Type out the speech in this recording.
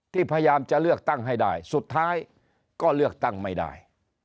พยายามจะเลือกตั้งให้ได้สุดท้ายก็เลือกตั้งไม่ได้